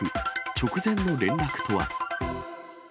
直前の連絡とは？